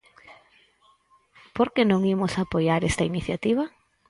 ¿Por que non imos apoiar esta iniciativa?